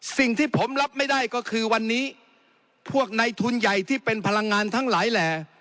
สิ่งที่ผมรับไม่ได้ก็คือวันนี้พวกในทุนใหญ่ที่เป็นพลังงานทั้งหลายแหล่